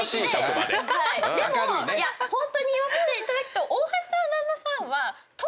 でもいやホントに言わせていただくと。